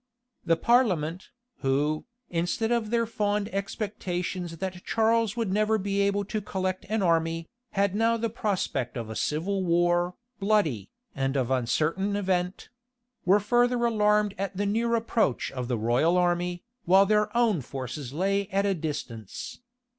The parliament, who, instead of their fond expectations that Charles would never be able to collect an army, had now the prospect of a civil war, bloody, and of uncertain event; were further alarmed at the near approach of the royal army, while their own forces lay at a distance.